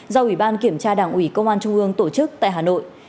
do ủy ban kiểm tra đảng ủy công an trung ương tổ chức tại hà nội